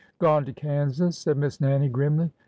" Gone to Kansas," said Miss Nannie, grimly.